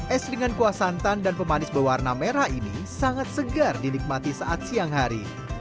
es dengan kuah santan dan pemanis berwarna merah ini sangat segar dinikmati saat siang hari